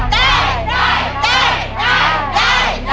ได้